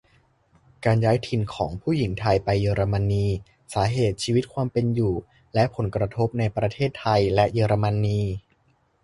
การย้ายถิ่นของผู้หญิงไทยไปเยอรมนี : สาเหตุ ชีวิตความเป็นอยู่ และผลกระทบในประเทศไทยและเยอรมนี.